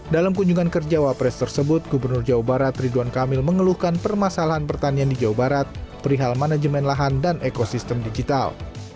dalam kunjungan kerja wapres tersebut gubernur jawa barat ridwan kamil mengeluhkan permasalahan pertanian di jawa barat perihal manajemen lahan dan ekosistem digital